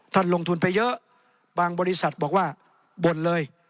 ท่านลงทุนไปเยอะบางบริษัทบอกว่าบ่นเลย